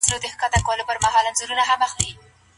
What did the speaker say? تاسو ته په اونۍ کي څو ورځي وټاکم؟